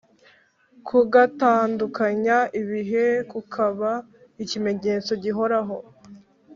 kugatandukanya ibihe, kukaba ikimenyetso gihoraho.